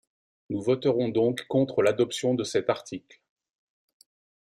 Nous voterons donc contre l’adoption de cet article.